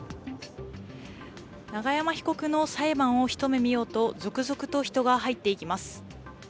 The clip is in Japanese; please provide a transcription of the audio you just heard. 永山被告の裁判を一目見ようと、続々と人が入っていきます。